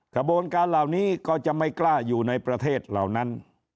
กระบวนการเหล่านี้ก็จะไม่กล้าอยู่ในประเทศเหล่านั้น